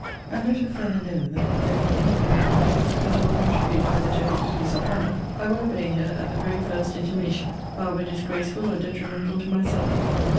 And let her farther know, that if there be any thing in my power, that will contribute either to her ease or honour, I will obey her, at the very first intimation, however disgraceful or detrimental to myself.